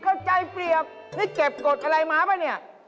ก็ใจเปรียบนี่เก็บกฎอะไรมาปะนี่